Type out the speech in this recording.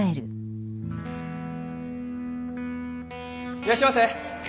いらっしゃいませ！